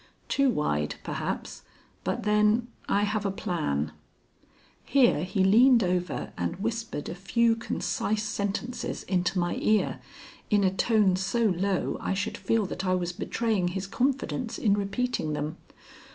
Too wide, perhaps, but, then, I have a plan." Here he leaned over and whispered a few concise sentences into my ear in a tone so low I should feel that I was betraying his confidence in repeating them.